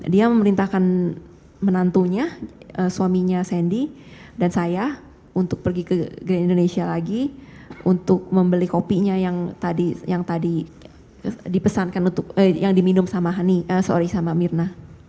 dia memerintahkan menantunya suaminya sandy dan saya untuk pergi ke grand indonesia lagi untuk membeli kopinya yang tadi dipesankan untuk yang diminum sama hani sorry sama mirna